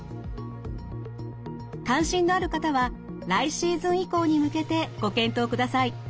関心のある方は来シーズン以降に向けてご検討ください。